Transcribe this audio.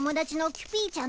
キュピーちゃん？